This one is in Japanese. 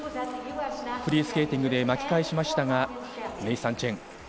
フリースケーティングで巻き返しましたが、ネイサン・チェン。